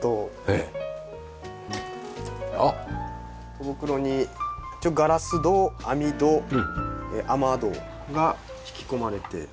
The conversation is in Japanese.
戸袋にガラス戸網戸雨戸が引き込まれています。